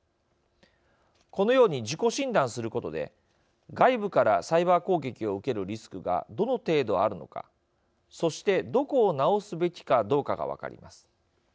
このように自己診断することで外部からサイバー攻撃を受けるリスクがどの程度あるのかそしてどこを直すべきかどうかが分かります。